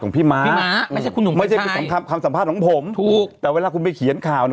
ของพี่ม้าไม่ใช่คำสัมภาษณ์ของผมแต่เวลาคุณไปเขียนข่าว